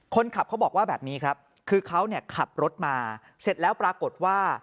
คนขับเขาบอกว่าแบบนี้ครับคือเขาเนี่ยขับรถมาเสร็จแล้วปรากฏว่า